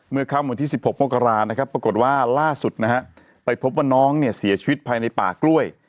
ค่ำวันที่๑๖มกรานะครับปรากฏว่าล่าสุดนะฮะไปพบว่าน้องเนี่ยเสียชีวิตภายในป่ากล้วย